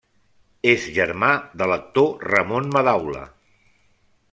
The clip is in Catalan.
És germà de l'actor Ramon Madaula.